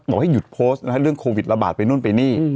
ให้หยุดโพสต์นะฮะเรื่องโควิดระบาดไปนู่นไปนี่